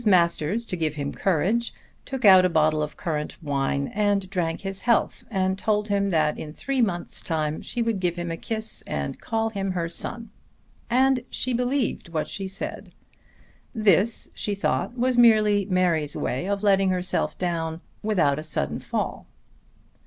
Masters, to give him courage, took out a bottle of currant wine and drank his health, and told him that in three months' time she would give him a kiss and call him her son. And she believed what she said. This, she thought, was merely Mary's way of letting herself down without a sudden fall.